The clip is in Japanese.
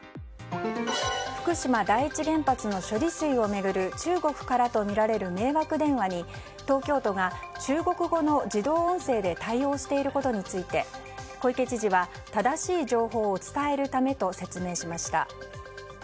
福島第一原発の処理水を巡る中国からとみられる迷惑電話に東京都が中国語の自動音声で対応していることについて小池知事は正しい情報を伝えるためと説明しました。